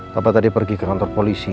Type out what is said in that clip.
bapak tadi pergi ke kantor polisi